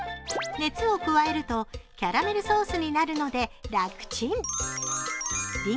熱を加えるとキャラメルソースになるので楽ちん。